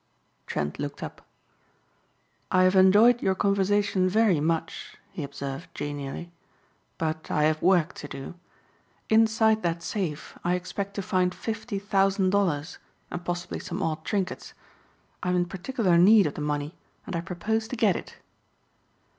Trent looked up. "I have enjoyed your conversation very much," he observed genially, "but I have work to do. Inside that safe I expect to find fifty thousand dollars and possibly some odd trinkets. I am in particular need of the money and I propose to get it."